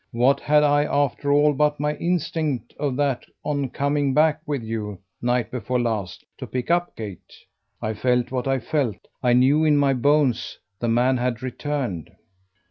What had I after all but my instinct of that on coming back with you, night before last, to pick up Kate? I felt what I felt I knew in my bones the man had returned."